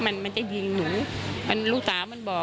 ไม่ตั้งใจครับ